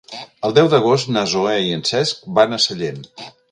El deu d'agost na Zoè i en Cesc van a Sallent.